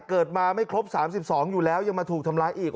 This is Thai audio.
เกิดมาไม่ครบ๓๒อยู่แล้วยังมาถูกทำร้ายอีก